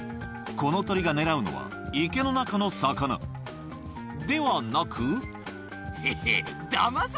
この鳥が狙うのは池の中の魚ではなくヘヘっ。